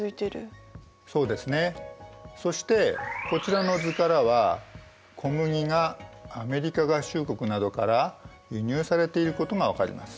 そしてこちらの図からは小麦がアメリカ合衆国などから輸入されていることが分かります。